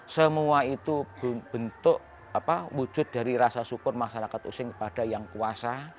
semua itu bentuk wujud dari rasa syukur masyarakat using kepada yang kuasa